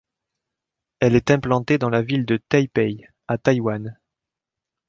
Elle est implantée dans la ville de Taipei, à Taïwan.